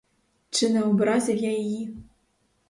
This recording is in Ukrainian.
Чи не образив я її!